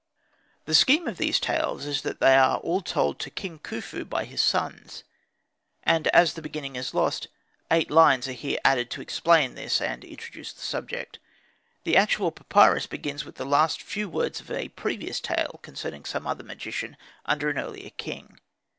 The scheme of these tales is that they are all told to King Khufu by his sons; and as the beginning is lost, eight lines are here added to explain this and introduce the subject. The actual papyrus begins with the last few words of a previous tale concerning some other magician under an earlier king.